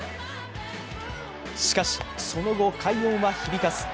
しかし、その後、快音は響かず。